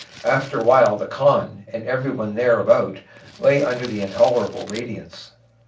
Afterwhile the khan and everything thereabout lay under the intolerable radiance.